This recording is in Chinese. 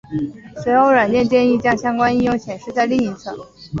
随后软件建议将相关应用显示在另一侧。